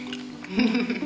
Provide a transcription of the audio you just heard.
フフフフ。